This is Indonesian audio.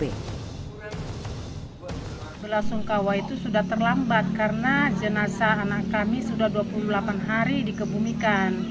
bella sungkawa itu sudah terlambat karena jenazah anak kami sudah dua puluh delapan hari dikebumikan